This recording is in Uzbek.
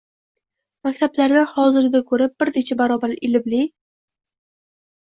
maktablardan hozirgidan ko‘ra bir necha barobar ilmli